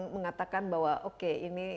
mengatakan bahwa oke ini